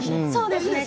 そうですね。